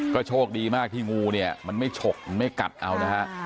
ก็โชคดีมากที่งูเนี่ยมันไม่ฉกมันไม่กัดเอานะฮะ